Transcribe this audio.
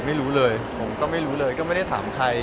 ไม่รู้เลยผมก็ไม่รู้เลยก็ไม่ได้ถามใคร